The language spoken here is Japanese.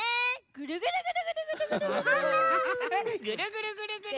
ぐるぐるぐるぐるぐるぐる！